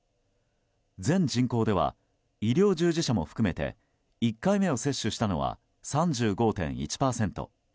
全人口では医療従事者も含めて１回目を接種したのは３５．１％。